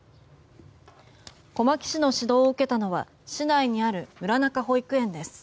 小牧市の指導を受けたのは市内にある村中保育園です。